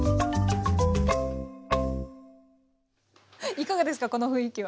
いかがですかこの雰囲気は。